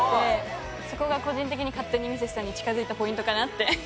そこが個人的に勝手にミセスさんに近づいたポイントかなって思いますね。